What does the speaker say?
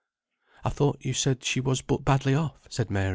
] "I thought you said she was but badly off," said Mary.